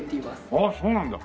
ああそうなんだ。